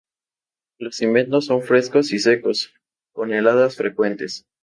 Los inviernos son frescos y secos, con heladas frecuentes.